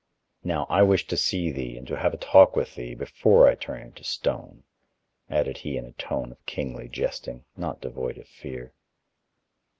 Now, I wish to see thee and to have a talk with thee, before I turn into stone," added he in a tone of kingly jesting, not devoid of fear.